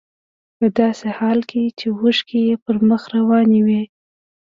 په داسې حال کې چې اوښکې يې پر مخ روانې وې.